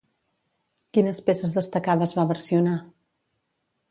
Quines peces destacades va versionar?